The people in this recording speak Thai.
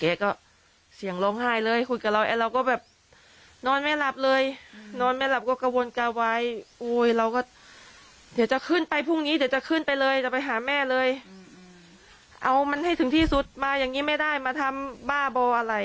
เล่นปืนเลยหรอตามคลิปเลยใครไม่ตกใจแม่เรา